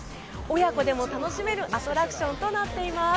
親子でも楽しめるアトラクションとなっています。